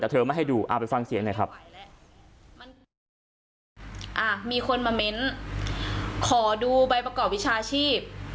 แต่เธอไม่ให้ดูอ่าไปฟังเสียงหน่อยครับมีคนมาเม้นขอดูใบประกอบวิชาชีพ